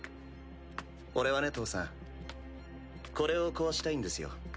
俺はね義父さんこれを壊したいんですよ。